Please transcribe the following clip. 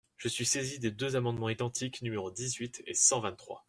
Je suis saisi de deux amendements identiques, numéros dix-huit et cent vingt-trois.